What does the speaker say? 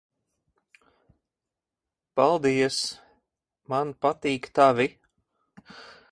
Paldies. Man patīk tavi.